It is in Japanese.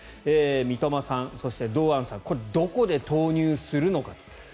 三笘さん、そして堂安さんこれをどこで投入するのかと。